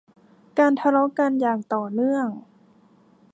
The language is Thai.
การทะเลาะกันอย่างต่อเนื่อง